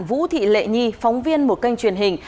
vũ thị lệ nhi phóng viên một kênh truyền hình